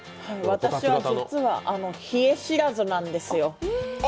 私は実は冷え知らずなんですよ。